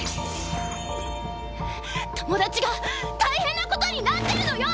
友達が大変なことになってるのよ！